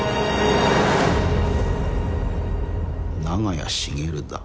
長屋茂だ。